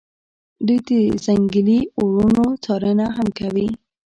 دوی د ځنګلي اورونو څارنه هم کوي